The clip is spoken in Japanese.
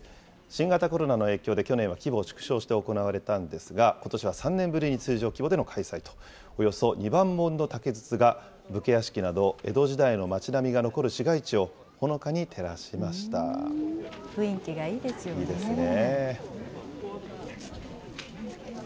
新型コロナの影響で、去年は規模を縮小して行われたんですが、ことしは３年ぶりに通常規模での開催と、およそ２万本の竹筒が武家屋敷など、江戸時代の町並みが残る市街雰囲気がいいですよね。